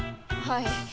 はい。